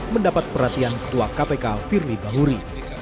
mendapat perhatian ketua kpk firly bahuri